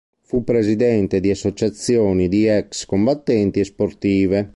Fu presidente di associazioni di ex combattenti e sportive.